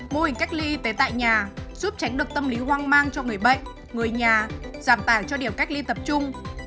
mô hình cách ly y tế tại nhà giúp tránh được tâm lý hoang mang cho người bệnh người nhà giảm tải cho điểm cách ly tập trung